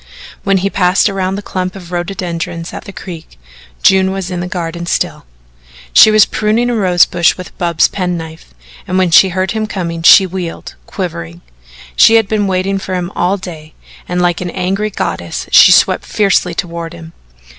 When he passed around the clump of rhododendrons at the creek, June was in the garden still. She was pruning a rose bush with Bub's penknife, and when she heard him coming she wheeled, quivering. She had been waiting for him all day, and, like an angry goddess, she swept fiercely toward him.